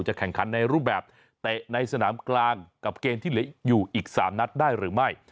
แข่งขันในรูปแบบเตะในสนามกลางกับเกมที่เหลืออยู่อีก๓นัดได้หรือไม่